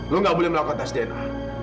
lo nggak boleh melakukan tes dna